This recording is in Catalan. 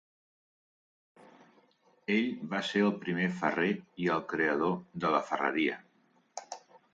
Ell va ser el primer ferrer i el creador de la ferreria.